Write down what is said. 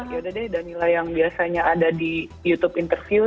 yaudah deh danila yang biasanya ada di youtube interview